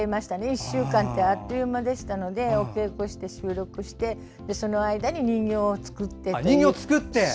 １週間ってあっという間でしたのでお稽古して、収録して、その間に人形を作ってという。